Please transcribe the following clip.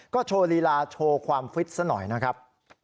ก็โชว์ลีลาโชว์ความฟิตซะหน่อยนะครับ